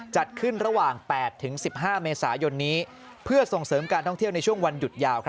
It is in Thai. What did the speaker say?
จัดขึ้นระหว่าง๘๑๕เมษายนนี้เพื่อส่งเสริมการท่องเที่ยวในช่วงวันหยุดยาว